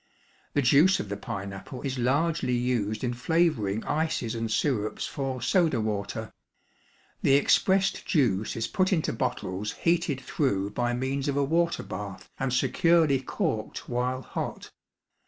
The juice of the pineapple is largely used in flavoring ices and syrups for soda water; the expressed juice is put into bottles heated through by means of a water bath and securely corked while hot.